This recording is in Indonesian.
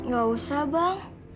gak usah bang